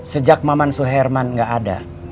sejak maman suherman gak ada